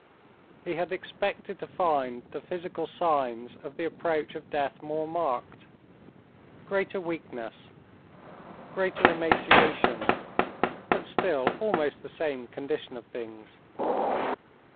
He had expected to find the physical signs of the approach of death more marked—greater weakness, greater emaciation, but still almost the same condition of things.